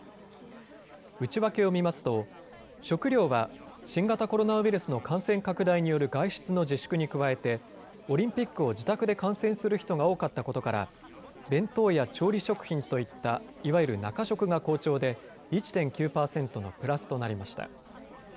内訳を見ますと食料は新型コロナウイルスの感染拡大による外出の自粛に加えてオリンピックを自宅で観戦する人が多かったことから弁当や調理食品といったいわゆる中食が好調で１．９％のプラスとなりました。